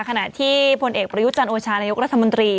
ขณะที่พลเอกประยุจันทร์โอชานายกรัฐมนตรี